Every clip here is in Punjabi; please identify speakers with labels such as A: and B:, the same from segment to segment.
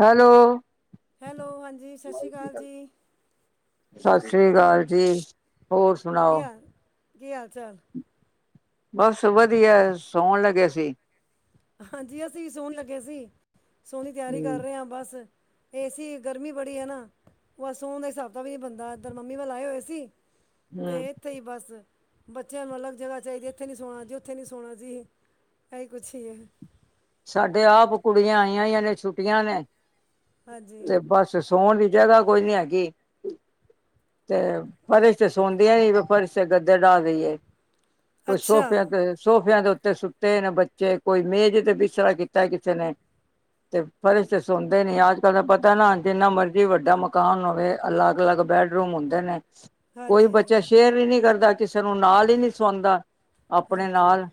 A: ਹੈਲੋ।
B: ਹੈਲੋ ਹਾਂਜੀ ਸਤਿ ਸ਼੍ਰੀ ਅਕਾਲ ਜੀ
A: ਸਤਿ ਸ਼੍ਰੀ ਅਕਾਲ ਜੀ, ਹੋਰ
B: ਕੀ
A: ਸੁਣਾਓ?
B: ਹਾਲ, ਕੀ ਹਾਲ-ਚਾਲ?
A: ਬਸ ਵਧੀਐ, ਸੋਣ ਲੱਗੇ ਸੀ।
B: ਹਾਂਜੀ, ਅਸੀਂ ਸੋਣ ਲੱਗੇ ਸੀ। ਸੋਣ ਦੀ ਤਿਆਰੀ
A: ਹੂੰ,
B: ਕਰ ਰਹੇ ਆਂ ਬਸ। ਏ ਸੀ ਗਰਮੀ ਬੜੀ ਐ ਨਾ। ਬਸ ਸੋਣ ਦਾ ਹਿਸਾਬਕਿਤਾਬ ਈ ਨੀ ਬਣਦਾ ਐਧਰ ਮੰਮੀ ਵਲ ਆਏ ਹੋਏ ਸੀ। ਤੇ
A: ਹੂੰ
B: ਏਥੇ ਹੀ ਬਸ, ਬੱਚਿਆਂ ਨੂੰ ਅਲੱਗ ਜਗ੍ਹਾ ਚਾਈਦੀ ਏ, ਏਥੇ ਨੀ ਸੋਣਾ ਜੀ ਉੱਥੇ ਨੀ ਸੋਣਾ ਜੀ। ਇਹੀ ਕੁਛ ਈ ਏ।
A: ਸਾਡੇ ਆਪ ਕੁੜੀਆਂ ਆਈਆਂ ਹੋਈਆਂ ਜੇ ਛੁੱਟੀਆਂ ਨੇ,
B: ਹਾਂਜੀ
A: ਤੇ ਬਸ ਤੇ ਸੋਣ ਦੀ ਜਗ੍ਹਾ ਕੋਈ ਨੀ ਹੈਗੀ। ਤੇ ਫਰਸ਼ ਤੇ ਸੌਦੀਆਂ ਈ ਨਈ ਫਰਸ਼ ਤੇ ਗੱਦੇ ਡਾ ਦੇਈਏ। ਕੋਈ
B: ਅੱਛਾ
A: ਸੋਫੇ ਤੇ ਸੋਫਿਆਂ ਦੇ ਉੱਤੇ ਸੁੱਤੇ ਹੋਏ ਨੇ ਬੱਚੇ, ਕੋਈ ਮੇਜ ਤੇ ਬਿਸਤਰਾ ਕੀਤਾ ਕਿਸੇ ਨੇ। ਤੇ ਫਰਸ਼ ਤੇ ਸੋਣਦੇ ਨੀ। ਅੱਜ-ਕੱਲ ਦਾ ਪਤੈ ਨਾ ਜਿੰਨਾ ਮਰਜੀ ਵੱਡਾ ਮਕਾਨ ਹੋਵੇ, ਅਲੱਗ-ਅਲੱਗ ਬੈਡ ਰੂਮ ਹੁੰਦੇ ਨੇ। ਕੋਈ
B: ਹਾਂਜੀ
A: ਬੱਚਾ ਸ਼ੇਅਰ ਵੀ ਨੀ ਕਰਦਾ, ਕਿਸੇ ਨੂੰ ਨਾਲ ਹੀ ਨੀ ਸਵਾਂਦਾ। ਅਪਣੇ
B: ਹਾਂਜੀ
A: ਨਾਲ।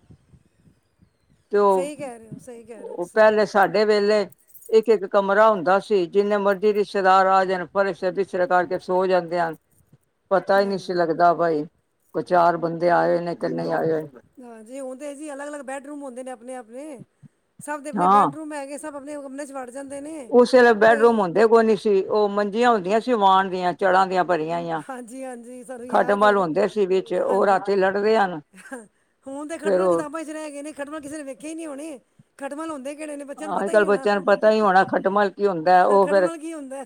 A: ਉਹ
B: ਸਹੀ ਕੈ ਰੇ ਔ, ਸਹੀ ਕੈ ਰੇ ਔ
A: ਉਹ
B: ਤੁਸੀਂ।
A: ਪਹਿਲੇ ਤੇ ਸਾਡੇ ਵੇਲੇ ਇੱਕ-ਇੱਕ ਕਮਰਾ ਹੁੰਦਾ ਸੀ, ਜਿੰਨੇ ਮਰਜ਼ੀ ਰਿਸ਼ਤੇਦਾਰ ਆ ਜਾਣ ਫਰਸ਼ ਤੇ ਬਿਸਤਰ ਡਾ ਕੇ ਸੋ ਜਾਂਦੇ ਹਨ। ਪਤਾ ਹੀ ਨੀ ਸੀ
B: ਹਾਂਜੀ
A: ਲੱਗਦਾ ਬਾਈ ਕੋਈ ਚਾਰ ਬੰਦੇ ਆਏ ਹੋਏ ਨੇ ਕਿ ਨਹੀਂ ਆਏ ਹੋਏ।
B: ਹਾਂਜੀ, ਹੋਣ ਤੇ ਜੀ ਅਲੱਗ-ਅਲੱਗ ਬੈਡਰੂਮ ਹੁੰਦੇ ਨੇ ਅਪਣੇ-ਅਪਣੇ। ਸਭ ਦੇ ਅਪਣੇ
A: ਹਾਂ
B: ਬੈਡਰੂਮ ਹੈਗੇ ਸਭ ਅਪਣੇ ਕਮਰੇ ਚ ਵੜ ਜਾਂਦੇ ਨੇ।
A: ਉਸ ਵੇਲੇ
B: ਕੋਈ
A: ਬੈਡਰੂਮ ਹੁੰਦੇ ਕੋਈ ਨੀ ਸੀ, ਓ ਮੰਜੀਆਂ ਹੁੰਦੀਆਂ ਸੀ ਵਾਣ ਦੀਆਂ। ਚੜਾਂ ਦੀਆਂ ਭਰੀਆਂ ਹੋਈਆਂ।
B: ਹਾਂਜੀ-ਹਾਂਜੀ ਸਾਨੂੰ ਯਾਦ
A: ਖੱਟਮਲ
B: ਏ
A: ਹੁੰਦੇ ਸੀ ਵਿੱਚ ਓ ਰਾਤੀ ਲੜਦੇ ਹਨ।
B: ਅਹ, ਹੁਣ ਤੇ
A: ਫਿਰ
B: ਖਟਮਲ
A: ਉਹ
B: ਕਿਤਾਬਾਂ ਚ ਰੈਗੇ ਨੇ, ਖੱਟਮਲ ਕਿਸੇ ਨੇ ਵੇਖੇ ਈ ਨੀ ਹੋਣੇ, ਖੱਟਮਲ ਹੁੰਦੇ ਕੇੜੇ ਨੇ ਬੱਚਿਆਂ ਨੂੰ
A: ਅੱਜ
B: ਪਤਾ ਈ ਨੀ
A: ਕੱਲ੍ਹ
B: ਹੋਣਾ,
A: ਬੱਚਿਆਂ ਨੂੰ ਪਤਾ ਹੀ ਹੋਣਾ ਖਟਮਲ ਕੀ ਹੁੰਦਾ ਉਹ ਫਿਰ
B: ਖਟਮਲ ਕੀ ਹੁੰਦਾ।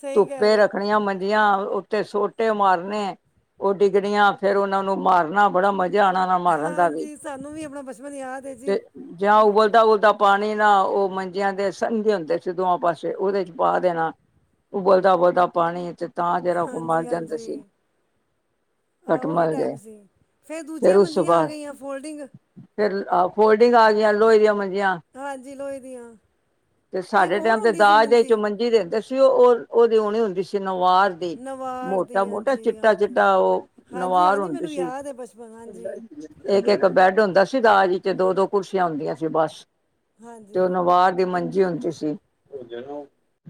B: ਸਹੀ ਕਹਿ
A: ਧੁੱਪੇ
B: ਰਹੇ ਹੋ
A: ਰੱਖਣੀਆਂ ਮੰਜੀਆਂ, ਉੱਤੇ ਸੋਟੇ ਮਾਰਨੇ। ਓ ਡਿੱਗਣੀਆਂ ਫੇਰ ਓਨਾ ਨੂੰ ਮਾਰਨਾ ਬੜਾ ਮਜ਼ਾ ਆਣਾ। ਮਾਰਨ ਦਾ ਵੀ,
B: ਹਾਂਜੀ ਸਾਨੂੰ ਵੀ ਆਪਣਾ ਬਚਪਨ ਯਾਦ ਹੈ ਜੀ
A: ਤੇ ਜਾਂ ਉਬਲਦਾ-ਉਬਲਦਾ ਪਾ ਪਾਣੀ ਨਾ, ਓ ਮੰਜਿਆਂ ਦੇ ਸੰਦੇ ਹੁੰਦੇ ਸੀ ਦੋਆ ਪਾਸੇ, ਉਦੇ ਚ ਪਾ ਦੇਣਾ। ਉਬਲਦਾ-ਉਬਲਦਾ ਪਾਣੀ ਤੇ ਤਾਂ ਜਰਾ ਕੋ ਓ ਮੱਰ ਜਾਂਦੇ ਸੀ।
B: ਹਾਂ ਔਵੀ
A: ਖਟਮਲ ਜੇ
B: ਟਾਈਮ ਸੀ, ਫੇਰ ਦੂਜੀਆਂ
A: ਉਸ ਤੋਂ
B: ਮੰਜ਼ੀਆਂ ਆ
A: ਬਾਅਦ
B: ਗਈਆਂ ਫੋਲਡਿੰਗ
A: ਫੇਰ ਆ ਫੋਲਡਿੰਗ ਆ ਗੀਆਂ, ਲੋਏ ਦੀਆਂ ਮੰਜੀਆਂ।
B: ਹਾਂਜੀ, ਲੋਏ ਦੀਆਂ।
A: ਤੇ
B: ਇੱਕ
A: ਸਾਡੇ
B: ਹੋਰ
A: ਟੈਮ ਤੇ
B: ਹੁੰਦੀ ਸੀ
A: ਦਾਜ ਦੇ ਏਚ ਓ ਮੰਜੀ ਦੇੰਦੇ ਸੀ, ਓ ਓਦੀ ਉਣੀ ਹੁੰਦੀ ਸੀ ਨਵਾਰ ਤੇ
B: ਨਵਾਰ ਦੀ
A: ਮੋਟਾ-ਮੋਟਾ,
B: ਹਾਂਜੀ ਹਾਂਜੀ
A: ਚਿੱਟਾ-ਚਿੱਟਾ ਓ
B: ਹਾਂਜੀ
A: ਨਵਾਰ
B: ਹਾਂਜੀ
A: ਹੁੰਦੀ
B: ਮੈਨੂੰ
A: ਸੀ।
B: ਯਾਦ ਹੈ ਬਚਪਨ ਹਾਂਜੀ
A: ਏੱਕ-ਏੱਕ ਬੈੱਡ ਹੁੰਦਾ ਸੀ ਦਾਜ ਚ, ਦੋ-ਦੋ ਕੁਰਸੀਆਂ ਹੁੰਦੀਆਂ ਸੀ ਬਸ। ਤੇ
B: ਹਾਂਜੀ
A: ਓ ਨਵਾਰ ਦੀ ਮੰਜੀ ਹੁੰਦੀ ਸੀ।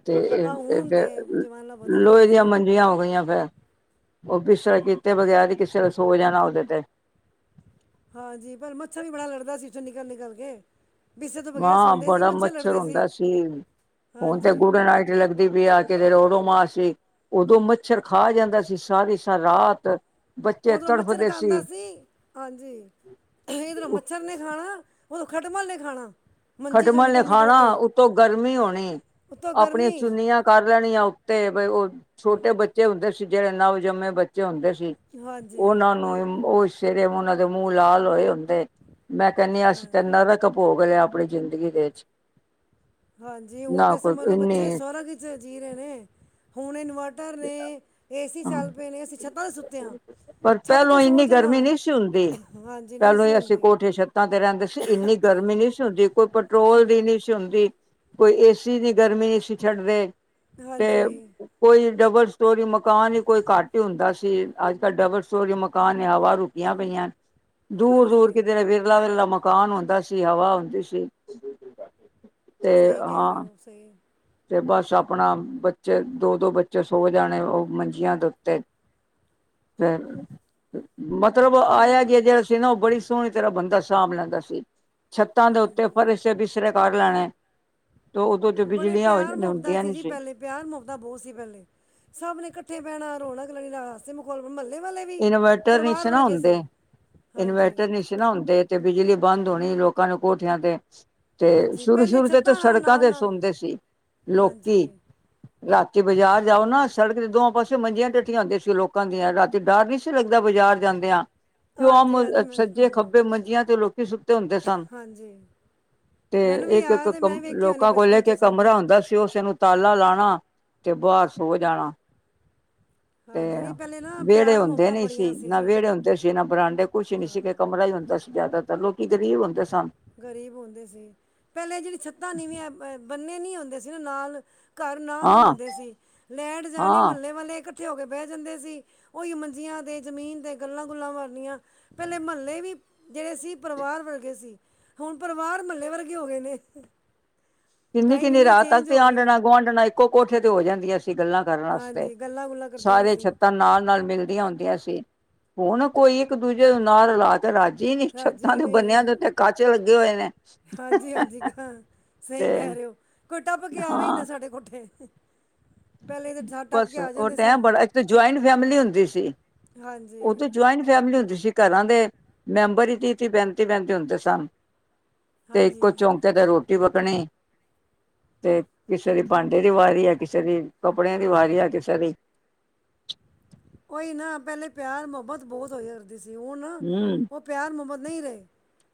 A: ਤੇ
B: ਆਹ
A: ਏਹ ਏ
B: ਹੁਣ
A: ਫੇ
B: ਤੇ ਜ਼ਮਾਨਾ ਬਦਲ ਗਿਆ
A: ਲੋਏ ਦੀਆਂ
B: ਜੀ
A: ਮੰਜੀਆਂ ਹੋ ਗਈਆਂ ਫੇਰ। ਓ ਬਿਸਤਰ੍ਹਾਂ ਕੀਤੇ ਬਗੈਰ ਹੀ ਕਿਸੇ ਲੇ ਸੋ ਜਾਣਾ ਓਦੇ ਤੇ।
B: ਹਾਂਜੀ, ਪਰ ਮੱਛਰ ਵੀ ਬੜਾ ਲੜਦਾ ਸੀ ਵਿੱਚੋਂ ਨਿਕਲ-ਨਿਕਲ ਕੇ। ਵਿਸੇ ਤੋਂ ਬਗੈਰ
A: ਹਾਂ,
B: ਸੌਂਦੇ ਸੀ
A: ਬੜਾ ਮੱਛਰ
B: ਲੜਦੇ
A: ਹੁੰਦਾ ਸੀ ਹੁਣ ਤੇ
B: ਹਾਂਜੀ
A: ਗੁੱਡ ਨਾਈਟ ਲੱਗਦੀ ਪੀ ਆ ਕਿਦਰੇ ਔਡੋ ਮਾਸ ਵੀ ਓਦੋਂ ਮੱਛਰ ਖਾ ਜਾਂਦਾ ਸੀ, ਸਾਰੀ-ਸਾਰ ਰਾਤ। ਬੱਚੇ
B: ਓਦੋ ਮੱਛਰ
A: ਤੜਫਦੇ
B: ਖਾਂਦਾ ਸੀ ਹਾਂਜੀ, ਏਧਰੋਂ ਮੱਛਰ ਨੇ ਖਾਣਾ, ਉਦੋਂ ਖੱਟਮਲ ਨੇ ਖਾਣਾ। ਮੰਜੀ ਚੋਂ
A: ਖਟਮਲ ਨੇ
B: ਨਿਕਲ ਨਿਕਲ
A: ਖਾਣਾ
B: ਕੇ
A: ਉੱਤੋਂ ਗਰਮੀ ਹੋਣੀ,
B: ਉੱਤੋਂ
A: ਆਪਣੀਆਂ
B: ਗਰਮੀ
A: ਚੁੰਨੀਆਂ ਕਰ ਲੈਣੀਆ ਉੱਤੇ ਬਈ ਓ ਛੋਟੇ ਬੱਚੇ ਹੁੰਦੇ ਸੀ ਜੇੜੇ ਨਵਜੰਮੇ ਬ ਹੁੰਦੇ ਸੀ
B: ਹਾਂਜੀ
A: ਓਨਾਂ ਨੂੰ ਓ ਸਵੇਰੇ ਓਨਾਂ ਦੇ ਮੂੰਹ ਲਾਲ ਹੋਏ ਹੁੰਦੇ ਮੈਂ ਕੈਣੀ ਆ ਅਸੀਂ ਤੇ ਨਰਕ ਪੋਗ ਲਯਾ ਅਪਣੀ ਜ਼ਿੰਦਗੀ ਦੇ ਚ
B: ਹਾਂਜੀ ਹੁਣ ਤੇ ਸਮਝ ਲੋ ਬੱਚੇ ਸਵਰਗ ਵਿੱਚ ਜੀ ਰਹੇ ਨੇ ਹੁਣ ਇਨਵਰ ਕਰ ਨੇ ਏ ਸੀ ਚੱਲ ਪਏ ਨੇ ਅਸੀਂ ਛੱਤਾਂ ਤੇ ਸੁੱਤੇ ਆ
A: ਪਰ ਪੈਲੋਂ ਇੰਨੀ ਗਰਮੀ ਨੀ ਸੀ ਹੁੰਦੀ
B: ਹਾਂਜੀ ਨਹੀਂ
A: ਪੈਲੋਂ
B: ਸੀ
A: ਅਸੀਂ
B: ਹੁੰਦੀ
A: ਕੋਠੇ ਛੱਤਾਂ ਤੇ ਰੈਂਦੇ ਸੀ ਇੰਨੀ ਗਰਮੀ ਨੀ ਸੀ ਹੁੰਦੀ ਕੋਈ ਪੈਟਰੋਲ ਦੀ ਨੀ ਸੀ ਹੁੰਦੀ ਕੋਈ ਏਸੀ ਦੀ ਗਰਮੀ ਨੀ ਸੀ ਛੱਡਦੇ ਤੇ
B: ਹਾਂਜੀ
A: ਕੋਈ ਡਬਲ ਸਟੋਰੀ ਮਕਾਨ ਈ ਕੋਈ ਘੱਟ ਹੀ ਹੁੰਦਾ ਸੀ ਅੱਜ-ਕੱਲ੍ਹ ਡਬਲ ਸਟੋਰੀ ਮਕਾਨ ਨੇ ਹਵਾ ਰੋਕ ਪਈਆਂ ਦੂਰ-ਦੂਰ
B: ਹਾਂਜੀ
A: ਕਿਤੇ ਵਿਰਲਾ-ਵਿਰਲਾ ਮ ਮਕਾਨ ਹੁੰਦਾ ਸੀ ਹਵਾ ਹੁੰਦੀ ਸੀ। ਤੇ
B: ਸਈ ਕੈ ਰੇ
A: ਹਾਂ
B: ਓ ਸਈ
A: ਤੇ ਬਸ ਆਪਣਾ ਬੱਚੇ ਦੋ-ਦੋ ਬੱਚੇ ਸੋ ਜਾਣੇ ਓ ਮੰਜੀਆਂ ਦੇ ਉੱਤੇ ਫੇਰ ਮਤਲਬ
B: ਹੁਣ
A: ਆਯਾ-ਗਯਾ ਜੇੜਾ ਸੀ ਨਾ ਐ ਬੜੀ ਸੋਹਣੀ ਤਰ੍ਹਾਂ ਬੰਦਾ ਸਾਂਭ ਲੈਂਦਾ ਸੀ। ਛੱਤਾਂ ਦੇ ਉੱਤੇ
B: ਹਾਂਜੀ
A: ਫਰਸ਼ ਤੇ ਬਿਸਤਰੇ ਕਰ ਲੈਣੇ ਤੇ ਓਦੋਂ
B: ਬੜੇ ਪਿਆਰ ਮੋਬਤਾ ਸੀ ਜੀ ਪੈਲੇ ਪਿਆਰ ਮੋਬਤਾਂ ਬੋਹਤ ਸੀ ਪੈਲੇ ਸਭ ਨੇ ਇਕੱਠੇ ਬੈਣਾ ਰੌਣਕ ਲੱਗ ਜਾਣਾ ਬਸ ਅ ਮਖੌਲ ਮਹੱਲੇ ਵਾਲੇ ਵੀ
A: ਇਨਵਰਟਰ ਨਹੀਂ
B: ਪਰਿਵਾਰ
A: ਨਾ
B: ਵਰਗੇ ਸੀ
A: ਹੁੰਦੇ
B: ਹਾਂਜੀ
A: ਇਨਵਰਟਰ ਨਹੀਂ ਨਾ ਹੁੰਦੇ ਤੇ ਬਿਜਲੀ ਬੰਦ ਹੋਣੀ ਲੋਕਾਂ ਨੇ ਕੋਠਿਆਂ ਤੇ ਤੇ
B: ਹਾਂਜੀ
A: ਸ਼ੁਰੂ
B: ਪਹਿਲੇ
A: -ਸ਼ੁਰੂ ਤੇ ਤਾਂ
B: ਛੱਤਾਂ ਨਾਲ
A: ਸੜਕਾਂ
B: ਨਾਲ
A: ਤੇ
B: ਨਾਲ
A: ਸੌਦੇ ਸੀ ਲੋਕੀ
B: ਹਾਂਜੀ
A: ਰਾਤੀ ਬਾਜ਼ਾਰ ਜਾਓ ਨਾ ਸੜਕ ਦੇ ਦੋਾਂ ਪਾਸੇ ਮੰਜੀਆਂ ਡੱਠੀਆ ਹੁੰਦੀ ਸੀ ਲੋਕਾਂ ਦੀਆਂ ਰਾਤੀ ਡਰ ਨਹੀਂ ਸੀ ਲੱਗਦਾ ਬਾਜ਼ਾਰ ਜਾਂਦਿਆਂ ਕਿਉ ਆ
B: ਹਾਂਜੀ ਹਾਂਜੀ
A: ਸੱਜੇ
B: ਮੈਨੂੰ
A: ਖੱਬੇ ਮੰਜੀਆਂ ਤੇ ਲੋਕੀ ਸੁ
B: ਹਾਂਜੀ
A: ਤੇ
B: ਮੈਨੂੰ ਵੀ
A: ਇੱਕ -ਇੱਕ
B: ਯਾਦ ਹੈ
A: ਕਮ
B: ਮੈਂ ਵੇਖੇ ਹੋਏ ਨੇ
A: ਲੋਕਾਂ ਕੋਲ
B: ਬਚਪਨ
A: ਇਕ-
B: 'ਚ
A: ਇਕ
B: ਸਭ
A: ਕਮਰਾ ਹੁੰਦਾ ਸੀ ਉਸੇ ਨੂੰ ਤਾਲਾ ਲਾਣਾ ਤੇ ਬਾਰ ਸੋ ਜਾਣਾ ਤੇ
B: ਹਾਂਜੀ ਵੀ ਪੈਲੇ ਨਾ
A: ਵਿਹੜੇ
B: ਪਿਆਰ
A: ਹੁੰਦੇ
B: ਮੁਹੱਬਤਾਂ
A: ਨੀ
B: ਬੜੀਆਂ
A: ਸੀ ਨਾ
B: ਜੀ
A: ਵਿਹੜੇ ਹੁੰਦੇ ਸੀ ਨਾ ਬਰਾਂਡੇ ਕੁਛ ਹੀ ਨਹੀਂ ਸੀਗੇ ਕ ੜਾ ਹੀ ਹੁੰਦਾ ਸੀ ਜ਼ਿਆਦਾ ਤਾਂ ਲੋਕੀ ਗ਼ਰੀਬ ਹੁੰਦੇ ਸਨ
B: ਗ਼ਰੀਬ ਹੁੰਦੇ ਸੀ ਪੈਲੇ ਜੇੜੀ ਛੱਤਾਂ ਨੀਵੀਆ ਬੰਨੇ ਨੀ ਹੁੰਦੇ ਸੀ ਨਾ ਨਾਲ ਘਰ ਨ ਨਾਲ- ਨਾਲ ਨਾਲ
A: ਹਾਂ
B: ਹੁੰਦੇ ਸੀ ਲੈਟ ਜਾਣੀ
A: ਹਾਂ
B: ਮਹੱਲੇ ਵਾਲੇ ਇਕੱਠੇ ਇਕੱਠੇ ਹੋ ਕੇ ਬੈ ਜਾਂਦੇ ਸੀ ਉਹੀ ਮੰਜੀਆਂ 'ਤੇ ਜ਼ਮੀਨ 'ਤੇ ਗੱਲਾਂ ਗੁੱਲਾਂ ਮਾਰਨੀਆਂ ਪੈਲੇ ਮਹੱਲੇ ਵੀ ਜੇੜੇ ਸੀ ਪਰਿਵਾਰ ਵਰ ਗੇ ਸੀ ਹੁਣ ਪਰਿਵਾਰ ਮਹੱਲੇ ਵਰਗੇ ਹੋ ਗਏ ਨੇ
A: ਕਿੰਨੀ-
B: ਟਾਈਮ
A: ਕਿੰਨੀੇ
B: ਇੰਨਾ
A: ਰਾਤ ਤੱਕ
B: ਚੇਂਜ
A: ਤੇ
B: ਹੋ ਗਿਆ
A: ਆਂਡਣਾ ਗੁਆਂਢਣਾ ੋ ਇੱਕੋ ਕੋਠੇ ਤੇ ਹੋ ਜਾਂਦੀਆਂ ਸੀ ਗੱਲਾਂ ਕਰਨ ਵਾਸਤੇ
B: ਹਾਂਜੀ ਗੱਲਾਂ ਗੁੱਲਾਂ ਕਰਦੀਆਂ
A: ਸਾਰੇ
B: ਸੀ
A: ਛੱਤਾਂ ਨਾਲ- ਨਾਲ ਮਿਲਦੀਆਂ ਹੁੰਦੀਆਂ ਹੁਣ ਕੋਈ ਇੱਕ ਦੂਜੇ ਨਾਲ ਰਲਾ ਕੇ ਰਾਜ ਜੀ ਨੀ ਛੱਤਾਂ
B: ਰਾਜੀ
A: ਤੇ ਬੰਨਿਆ
B: ਨਹੀਂ
A: ਦੇ ਉੱਤੇ ਕੱਚ ਲੱਗੇ ਹੋਏ ਨੇ
B: ਹਾਂਜੀ ਹਾਂਜੀ ਕ ਸਹੀ
A: ਤੇ
B: ਕੈ ਰਹੇ ਹੋ ਕੋਈ ਟੱਪ ਕੇਆਵੇ ਹੀ ਨਾ
A: ਹਾਂ
B: ਸਾਡੇ ਕੋਠੇ ਪਹਿਲੇ ਤਾਂ ਸਾ ਟੱਪ
A: ਬਸ
B: ਕੇ ਆ
A: ਉਹ
B: ਜਾਂਦੇ ਸੀ
A: ਟਾਈਮ ਬੜਾ ਇੱਕ ਤਾਂ ਜੁਆਇੰਟ ਫੈਮਿਲੀ ਹੁੰਦੀ ਸੀ
B: ਹਾਂਜੀ
A: ਉ ਤੇ ਜੁਆਇੰਟ ਫੈਮਲੀ ਹੁੰਦੀ ਸੀ ਘਰਾਂ ਦੇ ਮੈਂਬਰ ਹੀ ਤੀ-ਤੀ ਪੈਂਤੀ ਪੈਂਤੀ ਹੁੰਦੇ ਸਨ ਤੇ ਇੱਕੋ
B: ਹਾਂਜੀ
A: ਚੌਂਕ ਕਦੇ ਰੋਟੀ ਪੱਕਣੀ ਤੇ ਕਿਸੇ ਦੀ ਭਾਂਡੇ ਦੀ ਵਾਰੀ ਹੈ ਕਿਸੇ ਦੀ ਕੱਪੜਿਆਂ ਦੀ ਵਾਰੀ ਹ ਅੱਜ ਸਾਡੀ
B: ਓਈ ਨਾ ਪੈਲੇ ਪਿਆਰ ਮੁਹੱਬਤ ਬੋਤ ਹੋਇਆ ਕਰਦੀ ਸੀ ਹੁਣ
A: ਹੂੰ
B: ਉਹ ਪਿਆਰ ਮੁਹੱਬਤ ਨਹੀਂ ਰਹੇ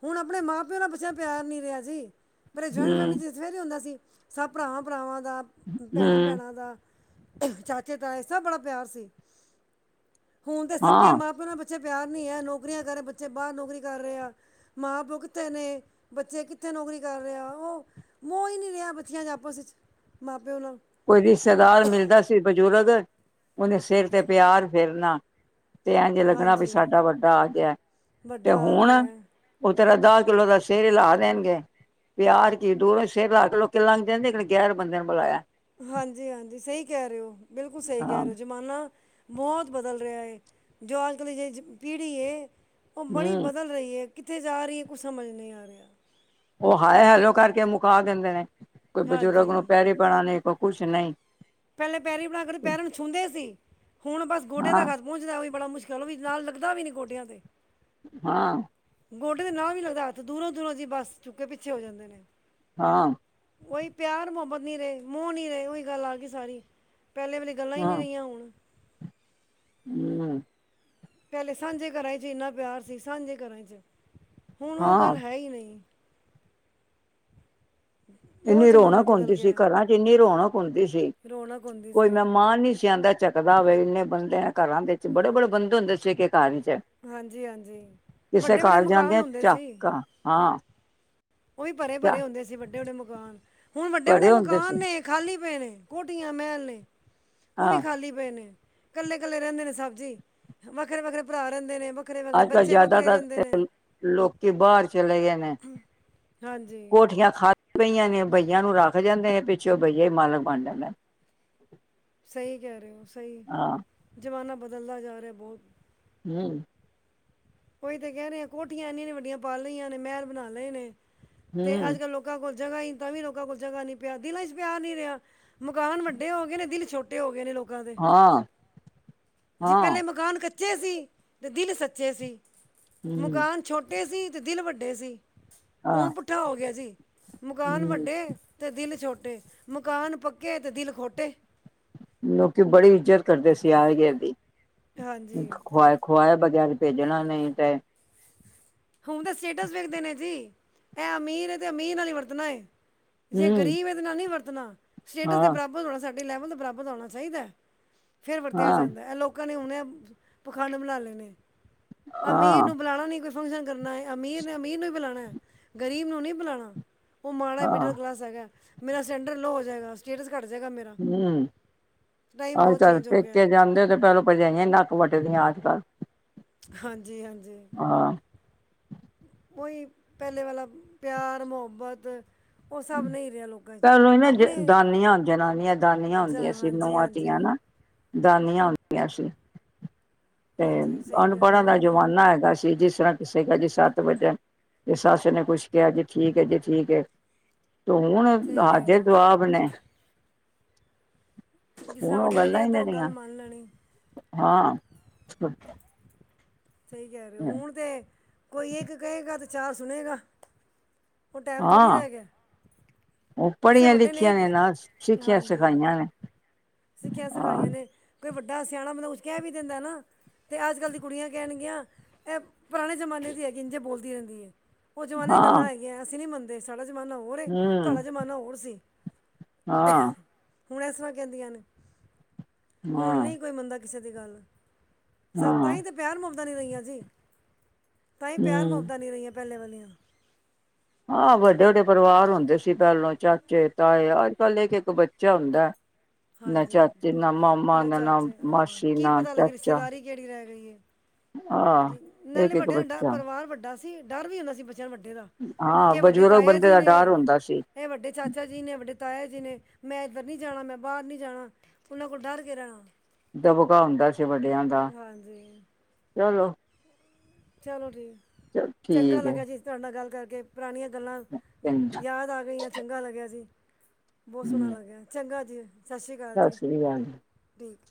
B: ਹੁਣ ਆਪਣੇ ਮਾਂ ਪਿਓ ਨਾਲ ਬੱਚਿਆਂ ਦਾ ਪਿਆਰ ਨਹੀਂ ਰਿਹਾ ਜੀ ਪੈਲੇ ਜੋਇੰਟ
A: ਹੂੰ
B: ਫੈਮਿਲੀ ਫੇ ਵੀ ਹੁੰਦਾ ਸੀ ਸਭ ਭਰਾਵਾਂ- ਭਰਾਵਾਂ ਦਾ ਭੈਣਾਂ-
A: ਹਮ
B: ਭੈਣਾਂ ਦਾ ਚਾਚੇ ਤਾਏ ਸਭ ਬੜਾ ਪਿਆਰ ਸੀ ਹੁਣ ਤਾਂ ਸਕੇ
A: ਹਾਂ
B: ਮਾਂ ਪਿਓ ਨਾਲ ਬੱਚੇ ਪਿਆਰ ਨਹੀਂ ਹੈ ਨੌਕਰੀਆਂ ਕਰੇ ਬੱਚੇ ਬਾਰ ਨੌਕਰੀ ਕਰ ਰਹੇ ਆ ਮਾਂ ਪਿਓ ਕਿੱਥੇ ਨੇ ਬੱਚੇ ਕਿੱਥੇ ਨੌਕਰੀ ਕਰ ਰੇਆ ਉਹ ਮੋਹ ਹੀ ਨਹੀਂ ਰਿਹਾ ਬਚੀਆਂ ਚ ਆਪਸ ਵਿੱਚ ਮਾਂ ਪਿਓ ਨਾਲ
A: ਕੋਈ ਰਿਸ਼ਤੇਦਾਰ ਮਿਲਦਾ ਸੀ ਬਜ਼ੁਰਗ ਉਹਨੇ ਸਿਰ ਤੇ ਪਿਆਰ ਫੇਰਨਾ ਤੇ ਐਂਂਜ ਲੱਗਣਾ ਵੀ
B: ਹਾਂਜੀ
A: ਸਾਡਾ ਵੱਡਾ ਆਗਯਾ ਹੈ ਤੇ
B: ਵੱਡਾ ਆ
A: ਹੁਣ
B: ਗਿਆ
A: ਉਹ ਤੇਰਾ ਦਾਹ ਕਿੱਲੋ ਦਾ ਸੇਰ ਹਿਲਾ ਦੇਣਗੇ ਪਿਆਰ ਕੀ ਦੂਰੋਂ ਸਿਰ ਲਾ ਕੇ ਲੋਕੀ ਲੰਘਦੇ ਜਾਂਦੇ ਇੱਕ ਗੈਰ ਬੰਦੇ ਨੇ ਬੁਲਾਇਆ
B: ਹਾਂਜੀ-ਹਾਂਜੀ ਸਹੀ ਕੈ ਰੇ ਹੋ ਬਿਲਕੁਲ ਸਹੀ ਕਹਿ
A: ਹਾਂ
B: ਰੇ ਹੋ ਜ਼ਮਾਨਾ ਬੋਤ ਬਦਲ ਰੇਹਾ ਹੈ ਜੋ ਅੱਜ ਕੱਲ੍ਹ ਦੀ ਜਿ ਪੀੜ੍ਹੀ ਹੈ ਉਹ ਬੜੀ
A: ਹਮ
B: ਬਦਲ ਰਹੀ ਹੈ ਕਿੱਥੇ ਜਾ ਰਹੀ ਹੈ ਕੁਛ ਸਮਝ ਨਹੀਂ ਆ ਰਿਹਾ
A: ਉਹ ਹਾਏ ਹੈਲੋ ਕਰਕੇ ਮੁਕਾ ਦਿੰਦੇ ਨੇ ਕੋਈ ਬਜ਼ੁਰਗ ਨੂੰ
B: ਹਾਂਜੀ
A: ਪੈਰੀ ਪੈਣਾ ਨਹੀਂ ਕੋਈ ਕੁਛ ਨਹੀਂ
B: ਪੈਲੇ ਪੈਰੀ ਪੋਣਾ ਕਰ ਪੈਰਾਂ ਨੁ ਛੂੰਦੇ ਸੀ ਹੁਣ ਬਸ ਗੋਡਿਆ
A: ਹਾਂ
B: ਤਕ ਪੋਚਦਾ ਵੀ ਬੜਾ ਮੁਸ਼ਕਲ ਉਹ ਵੀ ਨਾਲ ਲੱਗਦਾ ਵੀ ਨੀ ਗੋਡਿਆਂ ਤੇ
A: ਹਾਂ
B: ਗੋਡੇ ਦੇ ਨਾਂ ਵੀ ਲੱਗਦਾ ਹਥ, ਦੂਰੋਂ-ਦੂਰੋਂ ਜੀ, ਬੱਸ ਝੁੱਕੇ ਪਿੱਛੇ ਹੋ ਜਾਂਦੇ ਨੇ
A: ਹਾਂ
B: ਕੋਈ ਪਿਆਰ ਮੁਹੱਬਤ ਨੀ ਰਹੇ, ਮੋਹ ਨੀ ਰਹੇ, ਉਹੀ ਗੱਲ ਆ ਗਈ ਸਾਰੀ ਪਹਿਲੇ ਵਾਲੀ ਗੱਲਾਂ ਹੀ ਨਹੀਂ
A: ਹਾਂ
B: ਰਹੀਆਂ ਹੁਣ
A: ਹਮ
B: ਪਹਿਲੇ ਸਾਂਝੇ ਘਰਾਂ ਚ ਇੰਨਾ ਪਿਆਰ ਸੀ, ਸਾਂਝੇ ਘਰਾਂ ਚ ਹੁਣ ਉਹ
A: ਹਾਂ
B: ਗੱਲ, ਹੈ ਹੀ ਨਹੀਂ ਬਹੁਤ
A: ਇੰਨੀ
B: ਜ਼ਮਾਨਾ
A: ਰੌਣਕ
B: ਬਦਲ
A: ਹੁੰਦੀ ਸੀ,
B: ਗਿਆ
A: ਘਰਾਂ ਚ ਇੰਨੀ ਰੌਣਕ ਹੁੰਦੀ ਸੀ,
B: ਰੌਣਕ ਹੁੰਦੀ
A: ਕੋਈ
B: ਸੀ
A: ਮੈਂਹਮਾਂਣ ਨੀ ਸੀ ਆਂਂਦਾ ਝਕਦਾ ਵੇ, ਇੰਨੇ ਬੰਦੇ ਘਰਾਂ ਦੇ ਵਿੱਚ, ਬੜੇ-ਬੜੇ ਬੰਦੇ ਹੁੰਦੇ ਸੀ, ਇਕ-ਇਕ ਘਰ ਚ
B: ਹਾਂਜੀ ਹਾਂਜੀ
A: ਕਿਸੇ
B: ਵੱਡੇ ਵੱਡੇ
A: ਘਰ
B: ਮਕਾਨ
A: ਜਾਂਦੇਆ
B: ਹੁੰਦੇ ਸੀ
A: ਝਾਕਾ ਹਾਂ
B: ਉਹ ਵੀ
A: ਚਾ
B: ਭਰੇ-ਭਰੇ ਹੁੰਦੇ ਸੀ ਵੱਡੇ-ਵੱਡੇ ਮਕਾਨ, ਹੁਣ ਵੱਡੇ-ਵੱਡੇ
A: ਭਰੇ ਹੁੰਦੇ ਸੀ
B: ਮਕਾਨ ਨੇ ਖਾਲੀ ਪਏ ਨੇ, ਕੋਟੀਆਂ ਮਹਿਲ ਨੇ, ਉਹ ਵੀ
A: ਹਾਂ
B: ਖਾਲੀ ਦੇਨੇ ਕੱਲੇ-ਕੱਲੇ ਰਹਿੰਦੇ ਨੇ ਸਬ ਜ਼ੀ, ਵੱਖਰੇ-ਵੱਖਰੇ ਭਰਾ ਰਹਿੰਦੇ ਨੇ ਵੱਖਰੇ ਵੱਖਰੇ
A: ਅੱਜ ਕੱਲ
B: ਬੱਚੇ ਵੱਖਰੇ
A: ਜਿਆਦਾਤਰ
B: ਰਹਿੰਦੇ ਨੇ
A: ਤੇ, ਲੋਕੀ ਬਾਹਰ ਚਲੇ ਗਏ ਨੇ
B: ਹਾਂਜੀ
A: ਕੋਠੀਆਂ ਖਾ ਪਈਆਂ ਨੇ, ਭਈਆਂ ਨੂੰ ਰੱਖ ਜਾਂਦੇ ਨੇ, ਪਿੱਛੇ ਉਹ ਬਈਏ ਹੀ ਮਾਲਕ ਬਣ ਜਾਂਦੇ ਨੇ
B: ਸਹੀ ਕਹਿ ਰਹੇ ਹੋ, ਸਹੀ,
A: ਹਾਂ
B: ਜ਼ਮਾਨਾ ਬਦਲਦਾ ਜਾ ਰਿਹਾ ਬਹੁਤ
A: ਹਮ
B: ਉਹੀ ਤਾਂ ਕਹਿ ਰਹੇ ਆ, ਕੋਠੀਆਂ ਇੰਨੀਆਂ- ਇਨੀਆਂ ਵੱਡੀਆਂ ਪਾ ਲਈਆਂ ਨੇ, ਮਹਿਲ ਬਣਾ ਲਏ ਨੇ, ਤੇ
A: ਹੂੰ
B: ਅੱਜ ਕੱਲ੍ਹ ਲੋਕ ਲੋਕਾਂ ਕੋਲ ਜਗ੍ਹਾ ਹੀ, ਤਾਂ ਵੀ ਲੋਕਾਂ ਕੋਲ ਜਗਾ ਨਹੀਂ ਪਿਆ, ਦਿਲ ਚ ਪਿਆਰ ਨੀ ਰਿਹਾ, ਮਕਾਨ ਵੱਡੇ ਹੋ ਗਏ ਨੇ, ਦਿਲ ਛੋਟੇ ਟੇ ਹੋ ਗਏ ਨੇ ਲੋਕਾਂ ਦੇ,
A: ਹਾਂ
B: ਜੀ
A: ਹਾਂ
B: ਪਹਿਲੇ ਮਕਾਨ ਕੱਚੇ ਸੀ, ਤੇ ਦਿਲ ਸੱਚੇ ਕਚੇ ਸੀ,
A: ਹੂੰ
B: ਮਕਾਨ ਛੋਟੇ ਸੀ, ਤੇ ਦਿਲ ਵੱਡੇ ਸੀ
A: ਹਾਂ
B: ਹੁਣ ਪੁੱਠਾ ਹੋ ਗਿਆ ਜੀ, ਮਕਾਨ
A: ਹੂੰ
B: ਵੱਡੇ ਅਤੇ ਦਿਲ ਛੋਟੇ, ਮਕਾਨ ਪੱਕੇ ਤੇ, ਦਿਲ ਖੋਟੇ
A: ਲੋਕੀ ਬੜੀ ਇੱਜਤ ਕਰਦੇ ਸੀ, ਆਏ ਗਏ ਦੀ
B: ਹਾਂਜੀ
A: ਖ ਖੋਵਾਏ ਬਗੈਰ ਭੇਜਣਾ ਨਹੀਂ ਤੇ
B: ਹੁਣ ਤਾਂ ਸਟੇਟਸ ਵੇਖਦੇ ਨੇ ਜੀ, ਇਹ ਅਮੀਰ ਹੈ, ਤੇ ਅਮੀਰ ਨਾਲ ਹੀ ਵਰਤਣਾ ਹੈ ਜੇ
A: ਹੂੰ
B: ਗਰੀਬ ਹੈ, ਤਾਂ ਨਾਲ ਨਹੀਂ ਵਰਤਣਾ ਸਟੇਟਸ ਦੇ
A: ਹਾਂ
B: ਬਰਾਬਦ ਹੋਣਾ, ਸਾਡੇ ਲੈਵਲ ਦੇ ਬਰਾਬਰ ਹੋਣਾ ਚਾਹੀਦਾ ਫਿਰ ਵਰਤਿਆ
A: ਹਾਂ
B: ਜਾਂਦਾ ਹੈ, ਲੋਕਾਂ ਨੇ, ਹੁਣ ਏ ਪਖਾਡ ਬਣਾ ਲੈਣੇ
A: ਹਾਂ
B: ਅਮੀਰ ਨੂੰ ਬੁਲਾਣਾ ਨਹੀ, ਕੋਈ ਫੰਕਸ਼ਨ ਕਰਨਾ ਹੈ, ਅਮੀਰ ਨੇ ਅਮੀਰ ਨੂੰ ਹੀ ਬੁਲਾਉਣਾ, ਗ਼ਰੀਬ ਨੂੰ ਨਹੀਂ ਬੁਲਾਣਾ ਉਹ ਮਾੜਾ ਹੀ
A: ਹਾਂ
B: ਮਿਡਲ ਕਲਾਸ ਹੈਗਾ, ਮੇਰਾ ਸਟੈਂਡਰ ਲੋਅ ਹੋ ਜਾਏਗਾ, ਸਟੇਟਸ ਘੱਟ ਜਾਏਗਾ, ਮੇਰਾ
A: ਹਮ,
B: ਟਾਈਮ
A: ਅੱਜ
B: ਬਹੁਤ
A: ਕਲ
B: ਚੇਂਜ ਹੋ ਗਿਆ
A: ਪੇਕੇ
B: ਹੈ
A: ਜਾਂਦੇ ਤੇ ਪਹਿਲੋਂ, ਭਰਜਾਈਆਂ ਨੱਕ ਵੱਢੇ ਦੀਆਂ ਅੱਜ ਕੱਲ੍ਹ
B: ਹਾਂਜੀ-ਹਾਂਜੀ
A: ਹਾਂ
B: ਓਹੀ, ਪਹਿਲੇੇ ਵਾਲਾ ਪਿਆਰ ਮੁਹੱਬਤ ਉਹ ਸਭ ਨਹੀਂ ਰਿਹਾ ਲੋਕਾਂ ਚ,
A: ਪਹਿਲੋਂ ਹੀ ਨਾ
B: ਆਪਣੇ
A: ਦਾਨੀਆਂ ਜਨਾਨੀਆਂ ਦਾਨੀਆਂ
B: ਜਾਂ
A: ਹੁੰਦੀਆਂ ਸੀ
B: ਹਾਂਜੀ
A: ਨੂੰਹਾਂ
B: ਹਾਂ ਜੀ
A: ਧੀਆਂ ਨਾ ਦਾਨੀਆਂ ਹੁੰਦੀਆਂ ਸੀ ਤੇ
B: ਹਾਂਜੀ ਸਹੀ ਕਹਿ ਰਹੇ
A: ਅਨਪੜ੍ਹਾਂ
B: ਹੋ,
A: ਦਾ
B: ਹੁਣ ਨਹੀਂ
A: ਜ਼ਮਾਨਾ ਹੈਗਾ ਸੀ, ਜਿਸ ਤਰ੍ਹਾਂ ਅਸੀ ਕਿਹਾ ਜੀ, ਸਤਿ ਬਚਨ, ਤੇ ਸੱਸ ਨੇ ਕੁਛ ਕਿਹਾ ਜੀ, ਠੀਕ ਹੈ, ਜੀ ਠੀਕ ਹੈ। ਤੇ ਹੁਣ
B: ਸਹੀ ਕਹਿ ਰਹੇ
A: ਹਾਜ਼ਰ
B: ਹੋ
A: ਜੁਵਾਬ ਨੇ।
B: ਜਿਸ ਤਰ੍ਹਾਂ
A: ਹੁਣ ਉਹ
B: ਵੱਡੇ ਨੇ
A: ਗੱਲਾਂ
B: ਕਿਹਾ,
A: ਹੀ
B: ਤਾ ਉਹ ਗੱਲ
A: ਰਹੀਆਂ
B: ਮੰਨ ਲੈਣੀ।
A: ਹਾਂ।
B: ਸਹੀ ਕਹਿ ਰਹੇ ਹੋ, ਹੁਣ ਤੇ, ਕੋਈ ਇੱਕ ਕਹੇਗਾ ਤੇ ਚਾਰ ਸੁਣੇਗਾ। ਉਹ ਟਾਈਮ ਥੋੜ੍ਹੀ
A: ਹਾਂ
B: ਰਹਿ ਗਿਆ।
A: ਉਹ
B: ਕਿਸੇ
A: ਪੜ੍ਹੀਆਂ
B: ਵੱਡੇ
A: ਲਿਖੀਆਂ ਨੇ ਨਾ ਸਿੱਖੀਆਂ
B: ਹਾਂਜੀ
A: ਸਿਖਾਈਆਂ ਨੇ,
B: ਸਿੱਖਿਆ
A: ਹਾਂ
B: ਸਿਖਾਈਆਂ ਨੇ, ਕੋਈ ਵੱਡਾ ਸਿਆਣਾ ਮਤਲਬ ਉਸ ਕਹਿ ਵੀ ਦਿੰਦਾ ਨਾ ਤੇ ਅੱਜ ਕੱਲ੍ਹ ਦੀ ਕੁੜੀਆਂ ਕਹਿਣਗੀਆਂ, ਇਹ ਪੁਰਾਣੇ ਜ਼ਮਾਨੇ ਦੀ ਹੈਗੀ ਇੰਝੇ ਬੋਲਦੀ ਰਹਿੰਦੀ ਐ। ਉਹ ਜ਼ਮਾਨੇ ਦੀ
A: ਹਾਂ
B: ਗੱਲਾਂ ਹੈਗੀਆਂ ਅਸੀਂ ਨੀ ਮੰਨਦੇ ਸਾਡਾ ਜ਼ਮਾਨਾ ਹੋਰ ਐ,
A: ਹੂੰ
B: ਤੁਹਾਡਾ ਜ਼ਮਾਨਾ ਹੋਰ ਸੀ।
A: ਹਾਂ,
B: ਹੁਣ ਇਸ ਤਰ੍ਹਾਂ ਕਹਿੰਦੀਆਂ ਨੇ, ਹੁਣ
A: ਹਾਂ
B: ਨੀ ਕੋਈ ਮੰਨਦਾ ਕਿਸੇ ਦੀ ਗੱਲ ਨੂੰ ਸਬ ਤਾਂ
A: ਹਾਂ,
B: ਹੀ ਤੇ ਪਿਆਰ ਮੁਹੱਬਤਾ ਨੀ ਰਈਆਂ ਜੀ, ਤਾਈ ਪਿਆਰ
A: ਹੂੰ।
B: ਮੁਹੱਬਤਾਂ ਨੀ ਰਈਆਂ ਪਹਿਲੇ ਵਾਲੀਆਂ।
A: ਹਾਂ ਵੱਡੇ ਵੱਡੇ ਪਰਿਵਾਰ ਹੁੰਦੇ ਸੀ ਪਹਿਲੋਂ ਚਾਚੇ ਤਾਏ ਅੱਜ ਕੱਲ੍ਹ ਇੱਕ ਇੱਕ ਬੱਚਾ ਹੁੰਦਾ। ਨਾ
B: ਹਾਂਜੀ
A: ਚਾਚੇ ਨਾ ਮਾਮਾ ਨਾ ਨਾ
B: ਚਾਚੇ ਹਾਂ
A: ਮਾਸੀ
B: ਕੀ
A: ਨਾ
B: ਪਤਾ ਲੱਗੇ
A: ਚਾਚਾ,
B: ਰਿਸ਼ਤੇਦਾਰੀ ਕਿਹੜੀ ਰਹਿ ਗਈ ਐ।
A: ਆਹ।
B: ਕਿ ਨਾਲੇ
A: ਇੱਕ-ਇੱਕ
B: ਵੱਡਿਆਂ ਨਾਲ ਡ
A: ਬੱਚਾ
B: ਪਰਿਵਾਰ ਵੱਡਾ ਸੀ ਡਰ ਵੀ ਹੁੰਦਾ ਸੀ ਬੱਚਿਆਂ ਨੂੰ ਵੱਡੇ ਦਾ।
A: ਹਾਂ
B: ਕਿ ਵੱਡੇ
A: ਬਜ਼ੁਰਗ
B: ਤਾਇਆ
A: ਬੰਦੇ
B: ਜੀ
A: ਦਾ
B: ਨੇ
A: ਡਰ ਹੁੰਦਾ ਸੀ।
B: ਇਹ ਵੱਡੇ ਚਾਚਾ ਜੀ ਨੇ ਵੱਡੇ ਤਾਇਆ ਜੀ ਨੇ, ਮੈਂ ਇੱਧਰ ਨੀ ਜਾਣਾ ਮੈਂ ਬਾਹਰ ਨੀ ਜਾਣਾ। ਉਹਨਾਂ ਕੋਲ ਡਰ ਕੇ ਰਹਿਣਾ
A: ਦਬਕਾ ਹੁੰਦਾ ਸੀ ਵੱਡਿਆਂ ਦਾ,
B: ਹਾਂਜੀ
A: ਚਲੋ
B: ਚਲੋ ਠੀਕ,
A: ਚ
B: ਚੰਗਾ
A: ਠੀਕ ਏ
B: ਲੱਗਿਆ ਜੀ ਤੁਹਾਡੇ ਨਾਲ ਗੱਲ ਕਰਕੇ। ਪੁਰਾਣੀਆਂ ਗੱਲਾਂ,
A: ਚੰਗਾ।
B: ਯਾਦ ਆ ਗਈਆਂ ਚੰਗਾ ਲੱਗਿਆ ਸੀ। ਬਹੁਤ ਸੋਹਣਾ
A: ਹੂੰ,
B: ਲੱਗਿਆ ਚੰਗਾ ਜੀ ਸਤਿ ਸ਼੍ਰੀ ਅਕਾਲ ਜੀ
A: ਸ੍ਰੀ ਅਕਾਲ।
B: ਠੀਕ